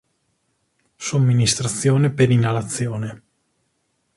Somministrazione per inalazione.